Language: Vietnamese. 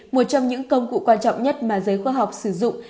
một trong những công cụ quan trọng nhất mà giới khoa học sử dụng